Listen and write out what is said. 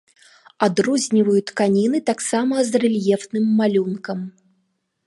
Адрозніваюць тканіны таксама з рэльефным малюнкам.